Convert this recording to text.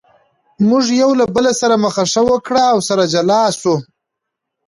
موږ یو له بل سره مخه ښه وکړه او سره جلا شوو.